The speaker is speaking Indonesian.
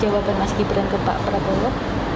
jawaban mas gibran ke pak prabowo